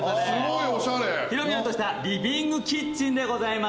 広々としたリビングキッチンでございます。